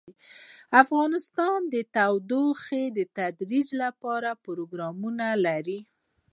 افغانستان د تودوخه د ترویج لپاره پروګرامونه لري.